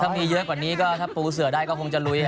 ถ้ามีเยอะกว่านี้ก็ถ้าปูเสือได้ก็คงจะลุย